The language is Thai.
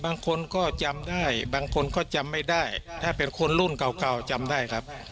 บางคนก็จำได้บางคนก็จำไม่ได้ถ้าเป็นคนรุ่นเก่าจำได้ครับ